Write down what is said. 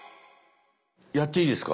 やっていいですか？